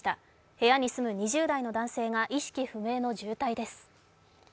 部屋に住む２０代の男性が意識不明の状態です。